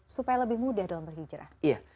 supaya lebih mudah dalam berhijrah